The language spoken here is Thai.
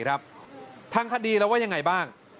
ทางคดีแล้วยังไงบ้าง